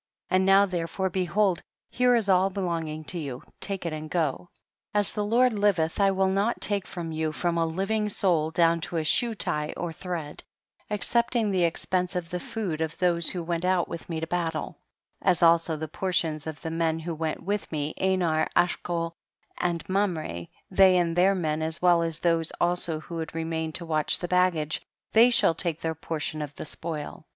16. And now therefore behold, here is all belonging to you, take it and go ; as the Lord liveth I will not take from you from a living soul down to a shoe tie or thread, ex cepting the expense of the food of those who went out with me to battle, as also the portions of the men who went with me, Anar, Ashcol and Mamre, they and their men, as well as those also who had remained to watch the baggage, they shall take their portion of the spoil.